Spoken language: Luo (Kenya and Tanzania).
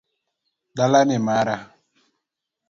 Dala ni mara